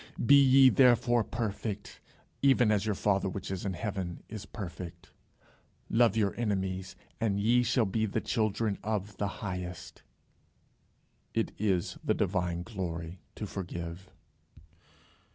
"Be ye therefore perfect, even as your father which is in heaven is perfect." "Love your enemies, and ye shall be the children of the highest." It is the divine glory to forgive.